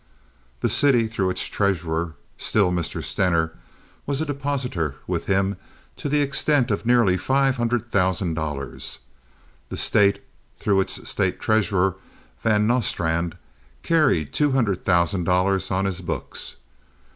The city, through its treasurer—still Mr. Stener—was a depositor with him to the extent of nearly five hundred thousand dollars. The State, through its State treasurer, Van Nostrand, carried two hundred thousand dollars on his books.